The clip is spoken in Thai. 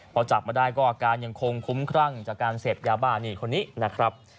พอจับมาได้ก็อาการยังคงคุ้มครั่งจากการเสพยาบ้านี่คนนี้นะครับ